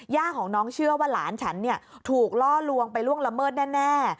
ย่าของน้องเชื่อว่าหลานฉันถูกล่อลวงไปล่วงละเมิดแน่